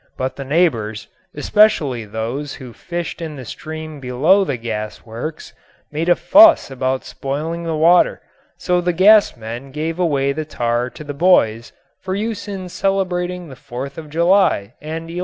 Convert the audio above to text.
But the neighbors especially those who fished in the stream below the gas works made a fuss about spoiling the water, so the gas men gave away the tar to the boys for use in celebrating the Fourth of July and election night or sold it for roofing.